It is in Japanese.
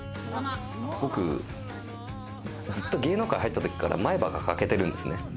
僕、ずっと芸能界入った時から前歯欠けてるんですね。